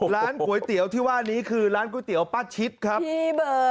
ร้านก๋วยเตี๋ยวที่ว่านี้คือร้านก๋วยเตี๋ยวป้าชิดครับ